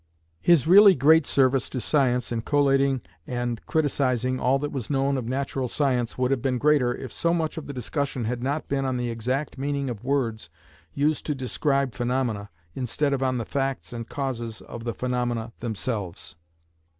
His really great service to science in collating and criticising all that was known of natural science would have been greater if so much of the discussion had not been on the exact meaning of words used to describe phenomena, instead of on the facts and causes of the phenomena themselves.